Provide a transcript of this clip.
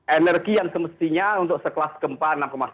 energi yang semestinya untuk sekelas gempa enam satu